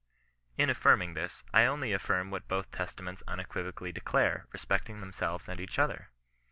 In affirming this, I only affirm what both Testa ments unequivocally declare respecting themselves and each other.